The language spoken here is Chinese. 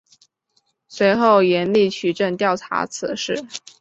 随后严厉取证调查此事。